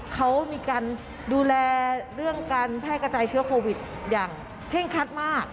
เขามีการดูแลเรื่องการแพร่กระจายเชื้อโควิดอย่างเคร่งครัดมาก